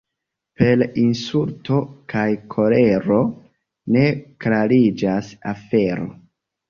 Per insulto kaj kolero ne klariĝas afero.